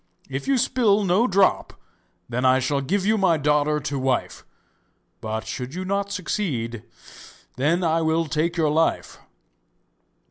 If you spill no drop then I shall give you my daughter to wife, but should you not succeed then I will take your life.